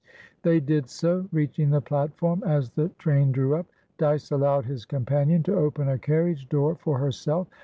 They did so, reaching the platform as the train drew up. Dyce allowed his companion to open a carriage door for herself.